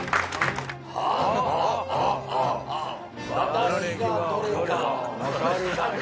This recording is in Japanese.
私がどれか。